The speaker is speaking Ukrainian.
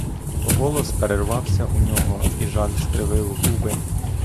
Голос перервався у нього, і жаль скривив губи.